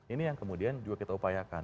ini yang kemudian juga kita upayakan